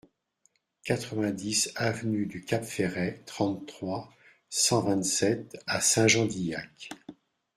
quatre-vingt-dix avenue du Cap Ferret, trente-trois, cent vingt-sept à Saint-Jean-d'Illac